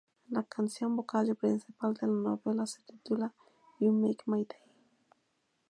La canción vocal y principal de la novela se titula ""You make my day!